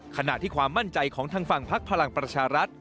ขณะที่ความมั่นใจของทางฝั่งพักพลังประชารัฐ